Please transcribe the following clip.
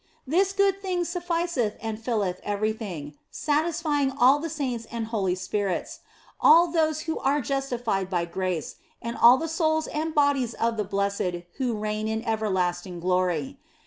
This good thing sufficeth and filleth every thing, satisfying all the saints and holy spirits, all those who are justified by grace, and all the souls and bodies of the blessed who reign in everlasting glory.